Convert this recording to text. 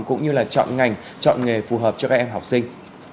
cũng như là chọn ngành chọn nghề phù hợp cho các em học sinh